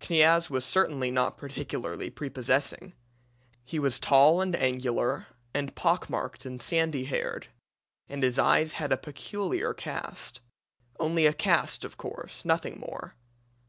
"Kniaz was certainly not particularly prepossessing. He was tall and angular, and pock marked and sandy haired; and his eyes had a peculiar cast only a cast, of course, nothing more.